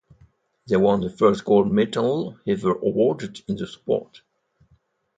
They won the first gold medal ever awarded in the sport.